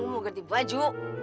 mau ganti baju